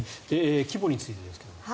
規模についてですが。